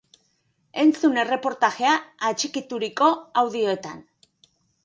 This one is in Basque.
Entzun erreportajea atxikituriko audioetan!